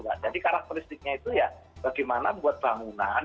jadi karakteristiknya itu ya bagaimana buat bangunan yang boleh rusak tapi tidak membahayakan